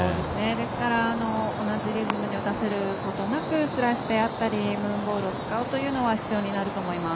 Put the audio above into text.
ですから同じリズムではなくスライスであったりムーンボールを使うというのは必要になると思います。